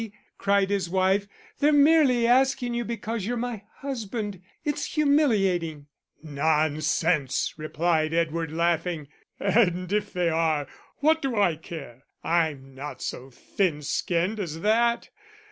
cried his wife, "they're merely asking you because you're my husband. It's humiliating." "Nonsense!" replied Edward, laughing. "And if they are, what do I care? I'm not so thin skinned as that.